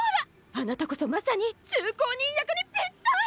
あなたこそまさに通行人役にぴったり！